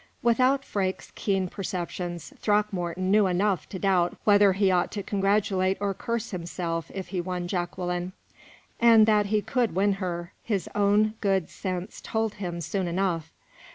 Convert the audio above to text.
Without Freke's keen perceptions, Throckmorton knew enough to doubt whether he ought to congratulate or curse himself if he won Jacqueline; and that he could win her, his own good sense told him soon enough.